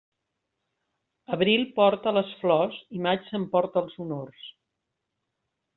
Abril porta les flors i maig s'emporta els honors.